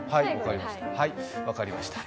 分かりました。